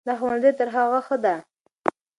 دا ښوونځی تر هغه ښه ده.